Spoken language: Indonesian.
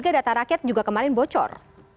satu tiga data rakyat juga kemarin bocor